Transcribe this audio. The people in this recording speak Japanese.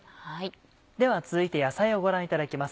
では続いて野菜をご覧いただきます。